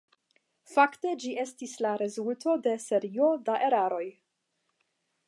Fakte ĝi estis la rezulto de serio da eraroj.